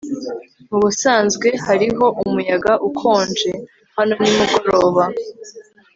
mubusanzwe hariho umuyaga ukonje hano nimugoroba